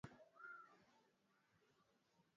,miundo mbinu na ushirikiano wa kimataifa